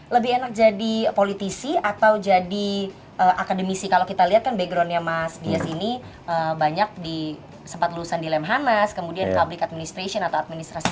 lebih enak jadi politisi atau jadi akademisi kalau kita lihat kan backgroundnya mas dias ini banyak sempat lulusan di lemhanas kemudian public administration atau administrasi